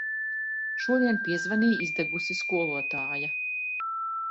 Šodien piezvanīja izdegusi skolotāja.